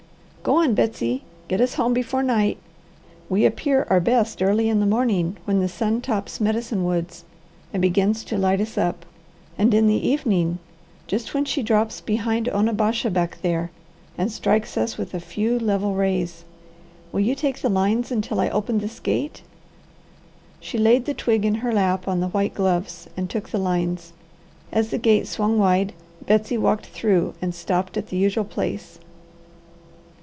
Go on, Betsy, get us home before night. We appear our best early in the morning, when the sun tops Medicine Woods and begins to light us up, and in the evening, just when she drops behind Onabasha back there, and strikes us with a few level rays. Will you take the lines until I open this gate?" She laid the twig in her lap on the white gloves and took the lines. As the gate swung wide, Betsy walked through and stopped at the usual place.